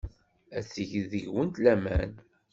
Ad teg deg-went laman.